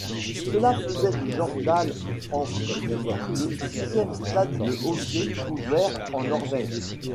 Cela fait du Jordal Amfi, le sixième stade de hockey couvert en Norvège.